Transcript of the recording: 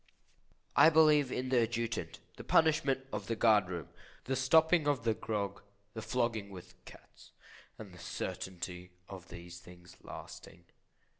I believe in the Adjutant; the punishment of the guard room; the stopping of grog; the flogging with cats; and the certainty of these things lasting.